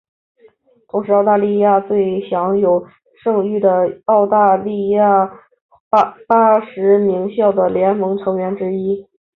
同时也是澳大利亚最享有盛誉的澳大利亚八大名校的联盟成员之一。